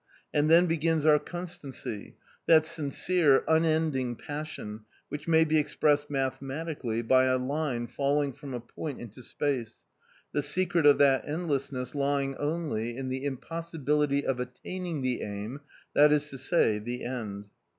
And then begins our constancy that sincere, unending passion which may be expressed mathematically by a line falling from a point into space the secret of that endlessness lying only in the impossibility of attaining the aim, that is to say, the end.